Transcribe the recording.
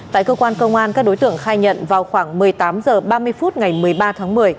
tại cơ quan công an các đối tượng khai nhận vào khoảng một mươi tám h ba mươi phút ngày một mươi ba tháng một mươi